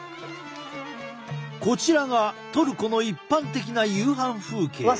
こちらがトルコの一般的な夕飯風景。